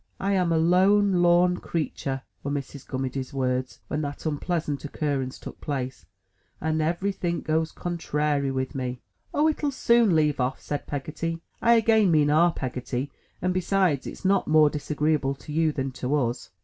"I am a lone lorn creetur'," were Mrs. Gummidge's words, when that impleasant occurrence took place, "and every think goes con trairy with me." *'0h, it'll soon leave off," said Peggotty — I again mean our Peg gotty — "and besides, it's not more disagreeable to you than to us."